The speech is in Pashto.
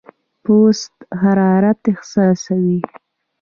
پوست حرارت احساسوي.